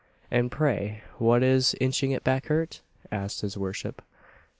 "And pray what is 'inching it backert?'" asked his worship.